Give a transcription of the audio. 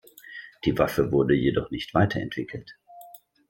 Die Waffe wurde jedoch nicht weiterentwickelt.